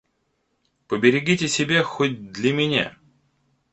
Поберегите себя хоть для меня».